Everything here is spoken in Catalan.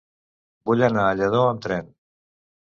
Vull anar a Lladó amb tren.